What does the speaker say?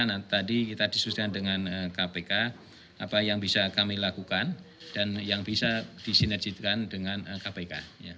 nah tadi kita diskusikan dengan kpk apa yang bisa kami lakukan dan yang bisa disinergikan dengan kpk